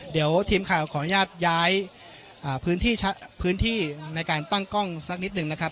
เดี๋ยวทีมข่าวขออนุญาตย้ายพื้นที่ในการตั้งกล้องสักนิดหนึ่งนะครับ